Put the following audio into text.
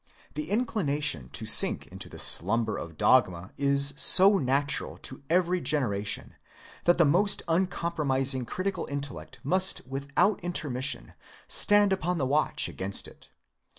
The inclination to sink into the slumber of dogma is so natural to every generation that the most uncom promising critical intellect must without intermission stand upon the watch against it.